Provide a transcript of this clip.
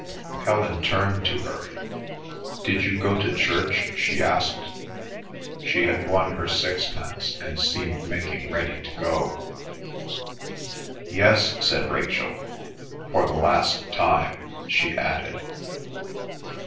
Helen turned to her. "Did you go to church?" she asked. She had won her sixpence and seemed making ready to go. "Yes," said Rachel. "For the last time," she added.